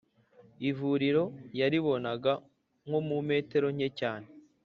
Ivuriro yaribonaga nko mu metero nke cyane